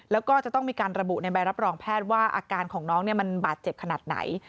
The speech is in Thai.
แล้วก็จะต้องมีการระบุในใบรับรองแพทย์ว่าอาการของน้องมันบาดเจ็บขนาดไหน